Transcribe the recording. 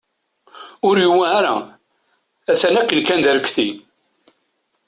Ur yewwa ara, atan akken kan d arekti.